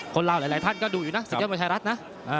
คนลาวหลายท่านก็ดูอยู่นะสิริยะมวยไทยรัฐนะ